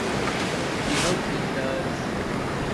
She hopes it does.